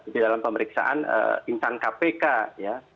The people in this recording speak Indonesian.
di dalam pemeriksaan intan kpk ya